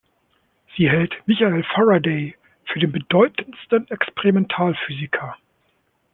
Sie hält Michael Faraday für den bedeutendsten Experimentalphysiker.